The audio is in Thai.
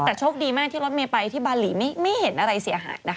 แต่โชคดีมากที่รถเมย์ไปที่บาหลีไม่เห็นอะไรเสียหายนะคะ